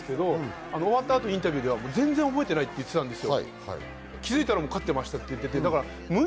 終わった後インタビューでは全然覚えていないと言ってたんですよ。